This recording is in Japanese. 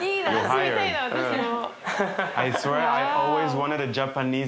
住みたいな私も。